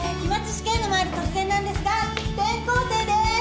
試験の前に突然なんですが転校生でーす。